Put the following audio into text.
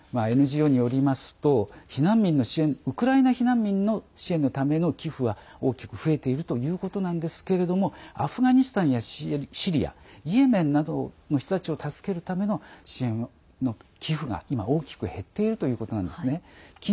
ＮＧＯによりますとウクライナ避難民の支援のための寄付は大きく増えているということなんですけれどもアフガニスタンやシリアイエメンなどの人たちを助けるための支援の寄付が今、大きく減っているということなんですね。